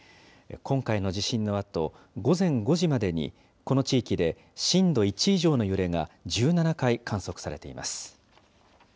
今回の地震のあと、午前５時までに、この地域で震度１以上の揺れが１７回、観測されています。